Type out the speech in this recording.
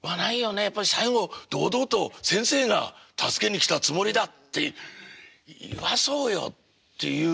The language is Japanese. やっぱり最後堂々と先生が「助けに来たつもりだ」って言わそうよっていう。